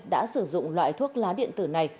đã sử dụng loại thuốc lá điện tử này